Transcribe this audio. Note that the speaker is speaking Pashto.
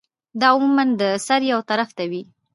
دا عموماً د سر يو طرف ته وی